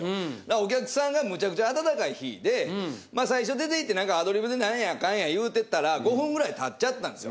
お客さんがむちゃくちゃ温かい日で最初出ていってアドリブで何やかんや言うてたら５分ぐらいたっちゃったんですよ。